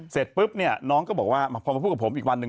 เสร็จปุ๊บเนี่ยน้องก็บอกว่าพอมาพูดกับผมอีกวันหนึ่ง